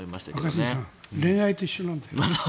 若新さん恋愛と一緒なんだよ。